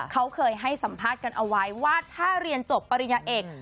เขาเคยให้สัมภาษณ์กันเอาไว้ว่าถ้าเรียนจบปริญญาเอก